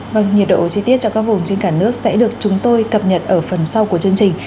vâng nhiệt độ chi tiết cho các vùng trên cả nước sẽ được chúng tôi cập nhật ở phần sau của chương trình